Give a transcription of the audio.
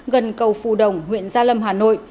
gần cầu phù đồng huyện gia lâm hà nội